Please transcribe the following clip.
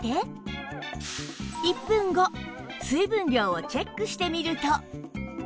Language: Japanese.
１分後水分量をチェックしてみると